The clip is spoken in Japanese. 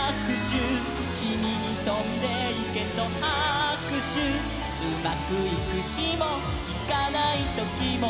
「キミにとんでいけとはくしゅ」「うまくいくひもいかないときも」